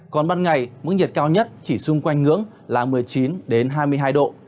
còn ban ngày mức nhiệt cao nhất chỉ xung quanh ngưỡng là một mươi chín hai mươi hai độ